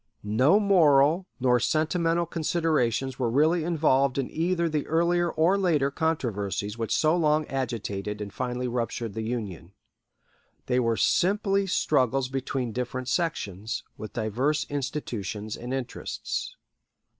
No moral nor sentimental considerations were really involved in either the earlier or later controversies which so long agitated and finally ruptured the Union. They were simply struggles between different sections, with diverse institutions and interests.